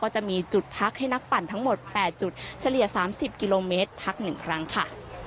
จะมีจุดพักให้นักปั่นทั้งหมด๘จุดเฉลี่ย๓๐กิโลเมตรพัก๑ครั้งค่ะ